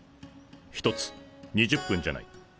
１つ２０分じゃない２３分。